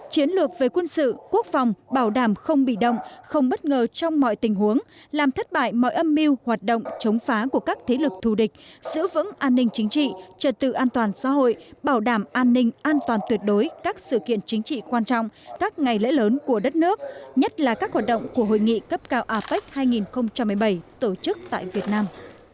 chiến lược về quân sự quốc phòng bảo đảm không bị đông không bất ngờ trong mọi tình huống làm thất bại mọi âm mưu hoạt động chống phá của các thế lực thù địch giữ vững an ninh chính trị trật tự an toàn xã hội bảo đảm an ninh an toàn tuyệt đối các sự kiện chính trị quan trọng các ngày lễ lớn của đất nước nhất là các hoạt động của hội nghị cấp cao apec hai nghìn một mươi bảy tổ chức tại việt nam